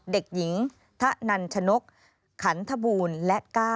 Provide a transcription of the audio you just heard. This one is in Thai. ๘เด็กหญิงทะนันชนกขันธบูรณ์